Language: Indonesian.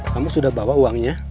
kamu sudah bawa uangnya